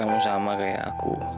kamu sama kayak aku